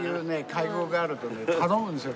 会合があるとね頼むんですよ